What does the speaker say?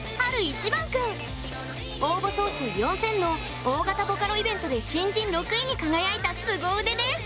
いちばん君応募総数４，０００の大型ボカロイベントで新人６位に輝いたすご腕です！